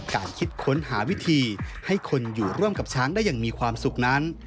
คิดค้นหาวิธีให้คนอยู่ร่วมกับช้างได้อย่างมีความสุขนั้น